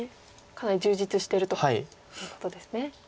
かなり充実してるということですね。